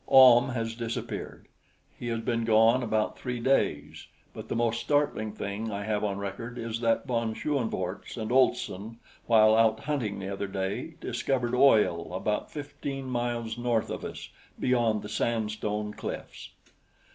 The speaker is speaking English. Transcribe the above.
Ahm has disappeared. He has been gone about three days; but the most startling thing I have on record is that von Schoenvorts and Olson while out hunting the other day discovered oil about fifteen miles north of us beyond the sandstone cliffs.